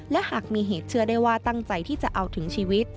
และหากมีเหตุเชื่อได้ว่าตั้งใจที่จะเอาถึงชีวิต